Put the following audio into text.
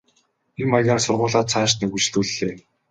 Энэ маягаар сургуулиа цааш нь үргэлжлүүллээ.